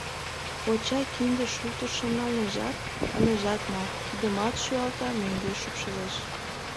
Коча кинде шултышым налнежат — ынежат нал, кидымат шуялта — мӧҥгеш шупшылеш.